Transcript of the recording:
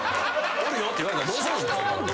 「おるよ」って言われたらどうするんすか！？